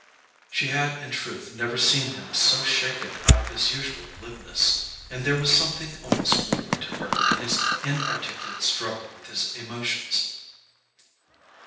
She had in truth never seen him so shaken out of his usual glibness; and there was something almost moving to her in his inarticulate struggle with his emotions.